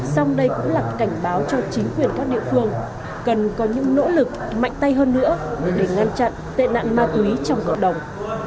xong đây cũng là cảnh báo cho chính quyền các địa phương cần có những nỗ lực mạnh tay hơn nữa để ngăn chặn tệ nạn ma túy trong cộng đồng